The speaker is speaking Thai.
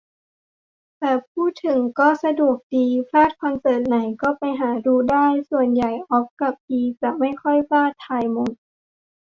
แต่พูดถึงก็สะดวกดี พลาดคอนเสิร์ตไหน ก็ไปหาดูได้ ส่วนใหญ่อ๊อบกะพีจะไม่ค่อยพลาด ถ่ายหมด